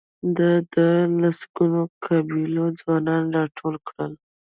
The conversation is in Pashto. ده د لسګونو قبیلو ځوانان راټول کړل.